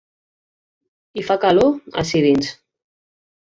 Hi fa calor, ací dins.